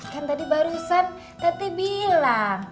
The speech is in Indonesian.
kan tadi barusan teti bilang